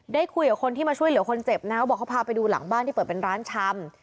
ได้คุยกับคนที่มาช่วยเหลือคนเจ็บนะเขาบอกเขาพาไปดูหลังบ้านที่เปิดเป็นร้านชำ